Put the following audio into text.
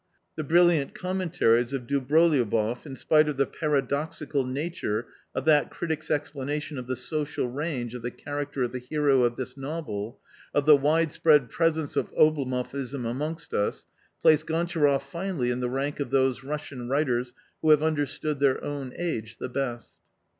The brilliant commentaries of Dobroliouboff, in spite of the para doxical nature of that critic's explanation of the social range of the character of the hero of this novel, of the widespread presence of Oblomovism amongst us, placed Gontcharoff finally in the rank of those Russian writers who have under stood their own age the best.